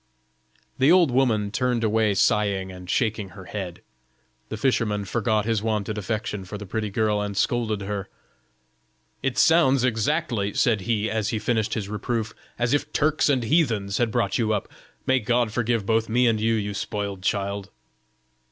The old woman turned away sighing and shaking her head; the fisherman forgot his wonted affection for the pretty girl and scolded her. "It sounds exactly," said he, as he finished his reproof, "as if Turks and heathens had brought you up; may God forgive both me and you, you spoiled child."